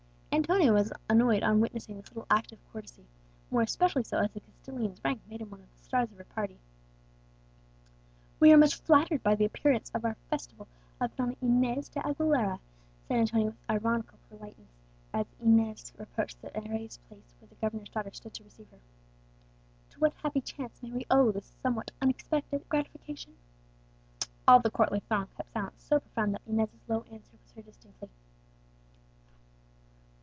Antonia was annoyed on witnessing this little act of courtesy, and more especially so as the Castilian's rank made him one of the stars of her party. "We are much flattered by the appearance at our festival of Donna Inez de Aguilera," said Antonia, with ironical politeness, as Inez approached the raised place where the governor's daughter stood to receive her. "To what happy chance may we owe this somewhat unexpected gratification?" All the courtly throng kept silence so profound that Inez's low answer was heard distinctly.